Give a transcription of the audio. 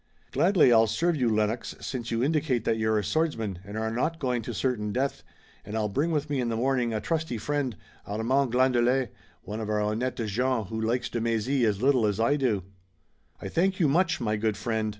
"Gladly I'll serve you, Lennox, since you indicate that you're a swordsman and are not going to certain death, and I'll bring with me in the morning a trusty friend, Armand Glandelet, one of our honnêtes gens who likes de Mézy as little as I do." "I thank you much, my good friend.